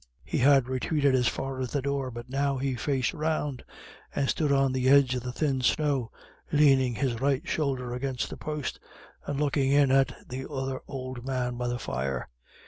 He had retreated as far as the door, but now he faced round, and stood on the edge of the thin snow, leaning his right shoulder against the post, and looking in at the other old man by the fire.